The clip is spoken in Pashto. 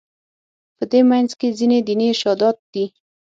په دې منځ کې ځینې دیني ارشادات دي.